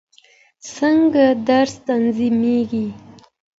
څنګه درس تنظیمېږي؟